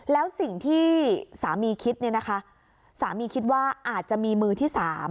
แล้วสิ่งที่สามีคิดเนี่ยนะคะสามีคิดว่าอาจจะมีมือที่๓